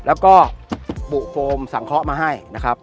แล้วก็บุโฟมสังเคราะห์มาให้นะครับ